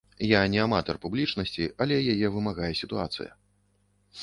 Я не аматар публічнасці, але яе вымагае сітуацыя.